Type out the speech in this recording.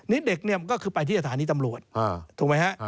นี่เด็กเนี่ยก็คือไปที่สถานีตำรวจถูกไหมฮะ